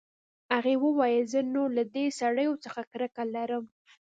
هغې وویل زه نور له دې سړیو څخه کرکه لرم